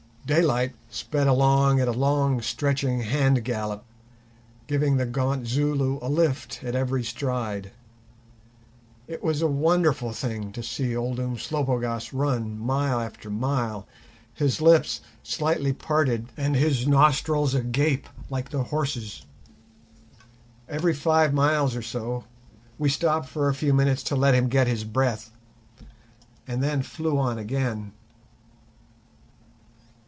Daylight sped along at a long stretching hand gallop, giving the gaunt Zulu a lift at every stride. It was a wonderful thing to see old Umslopogaas run mile after mile, his lips slightly parted and his nostrils agape like the horse's. Every five miles or so we stopped for a few minutes to let him get his breath, and then flew on again.